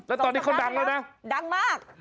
แล้วตอนนี้เขาดังแล้วนะดังมาก